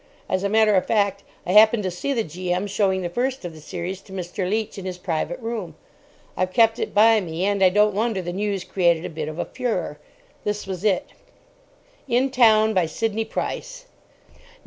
As a matter of fact, I happened to see the G.M. showing the first of the series to Mr. Leach in his private room. I've kept it by me, and I don't wonder the news created a bit of a furore. This was it:—— IN TOWN BY SIDNEY PRICE No.